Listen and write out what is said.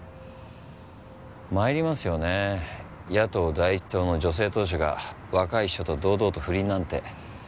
参りますよね野党第一党の女性党首が若い秘書と堂々と不倫なんて。